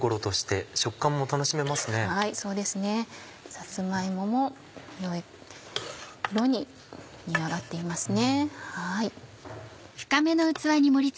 さつま芋も良い色に煮上がっていますね。